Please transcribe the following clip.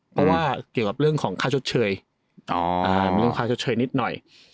เพราะว่าเกี่ยวกับเรื่องของค่าชดเชยมีเรื่องค่าชดเชยนิดหน่อย